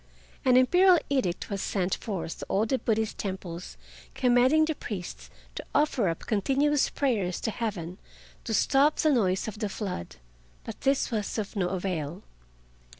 An Imperial Edict was sent forth to all the Buddhist temples commanding the priests to offer up continuous prayers to Heaven to stop the noise of the flood. But this was of no avail.